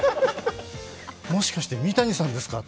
もしかして三谷さんですか？